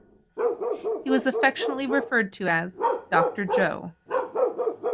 He was affectionately referred to as Doctor Joe.